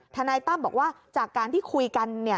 ทนายตั้มบอกว่าจากการที่คุยกัน